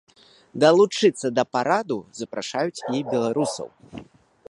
Далучыцца да параду запрашаюць і беларусаў.